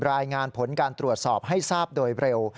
รายงานผลการตรวจสอบให้ทราบโดยเร็ว